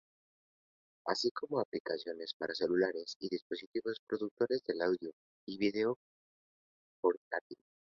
Así como aplicaciones para celulares y dispositivos reproductores de audio y video portátil.